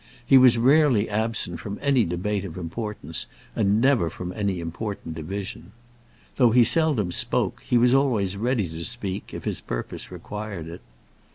He was rarely absent from any debate of importance, and never from any important division. Though he seldom spoke, he was always ready to speak if his purpose required it.